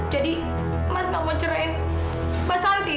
jadi mas tidak mau mencerai mbak santi